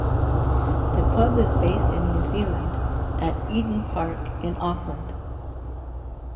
The club is based in New Zealand, at Eden Park in Auckland.